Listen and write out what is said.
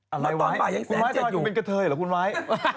อะไรไว้คุณไว้ทำไมถึงเป็นกระเทยเหรอคุณไว้